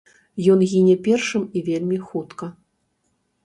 Ён гіне першым і вельмі хутка.